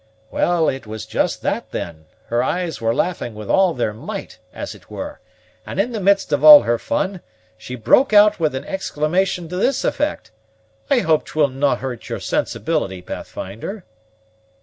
"Well, it was just that then; her eyes were laughing with all their might, as it were; and in the midst of all her fun, she broke out with an exclamation to this effect: I hope 'twill no' hurt your sensibility, Pathfinder?"